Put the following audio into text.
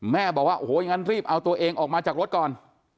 บอกว่าโอ้โหอย่างนั้นรีบเอาตัวเองออกมาจากรถก่อน